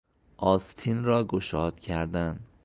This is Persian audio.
آستین را گشاد کردن